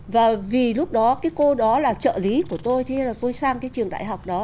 và vì lúc đó cái cô đó là trợ lý của tôi thế là tôi sang cái trường đại học đó